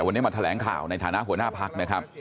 วันนี้มาแถลงข่าวในฐานะหัวหน้าพักนะครับ